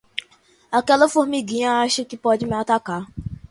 Aquela formiguinha acha que pode me atacar.